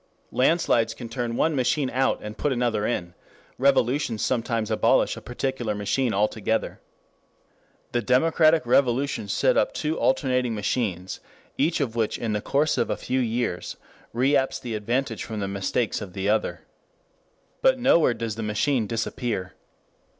Landslides can turn one machine out and put another in; revolutions sometimes abolish a particular machine altogether. The democratic revolution set up two alternating machines, each of which in the course of a few years reaps the advantage from the mistakes of the other. But nowhere does the machine disappear.